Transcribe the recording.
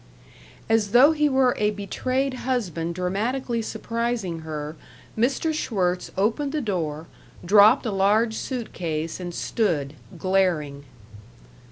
As though he were a betrayed husband dramatically surprising her, Mr. Schwirtz opened the door, dropped a large suit case, and stood, glaring.